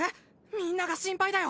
みんなが心配だよ